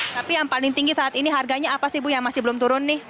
tapi yang paling tinggi saat ini harganya apa sih bu yang masih belum turun nih